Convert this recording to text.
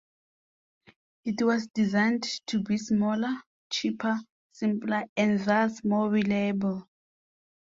It was designed to be smaller, cheaper, simpler and thus more reliable.